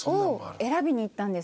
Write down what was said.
選びに行ったんです。